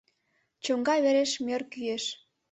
Чоҥга вереш мӧр кӱэш.